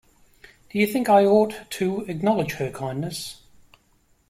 Do you think I ought to acknowledge her kindness?